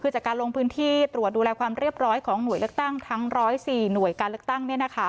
คือจากการลงพื้นที่ตรวจดูแลความเรียบร้อยของหน่วยเลือกตั้งทั้ง๑๐๔หน่วยการเลือกตั้ง